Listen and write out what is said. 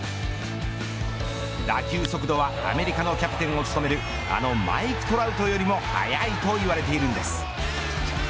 打球速度はアメリカのキャプテンを務めるあのマイク・トラウトよりも速いと言われているんです。